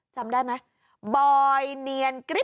จำได้มั้ยบอยเนียนกริป